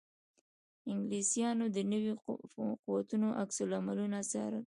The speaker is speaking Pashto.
انګلیسیانو د نویو قوتونو عکس العملونه څارل.